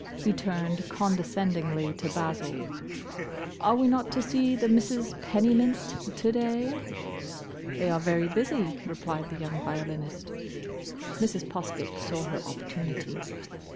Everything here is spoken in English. He turned condescendingly to Basil. "Are we not to see the Misses Pennymint to day?" "They are very busy," replied the young violinist. Mrs. Poskett saw her opportunity.